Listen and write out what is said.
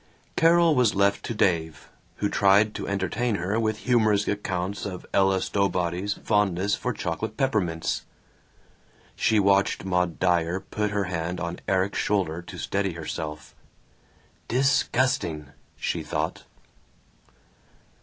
Carol was left to Dave, who tried to entertain her with humorous accounts of Ella Stowbody's fondness for chocolate peppermints. She watched Maud Dyer put her hand on Erik's shoulder to steady herself. "Disgusting!" she thought.